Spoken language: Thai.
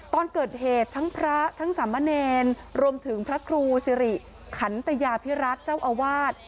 ตอนเกิดเหตุทั้งพระทั้งสามเณรรวมถึงพระครูสิริขันตยาพิรัตน์เจ้าอาวาส